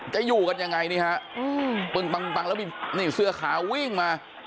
จะอยู่กันยังไงนี่ฮะปึ้งปังแล้วมีนี่เสื้อขาววิ่งมา